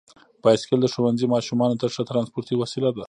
بایسکل د ښوونځي ماشومانو ته ښه ترانسپورتي وسیله ده.